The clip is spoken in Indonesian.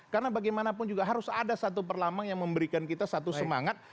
karena bagaimanapun juga harus ada satu perlamang yang memberikan kita satu semangat